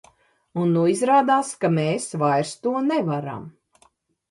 Un nu izrādās, ka mēs vairs to nevaram.